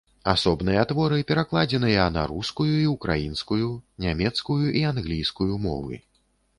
Асобныя творы перакладзеныя на рускую і ўкраінскую, нямецкую і англійскую мовы.